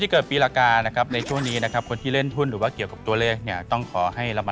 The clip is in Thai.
ไม่คุยว่าพิมเซนไปแลกกับเกลือยังไง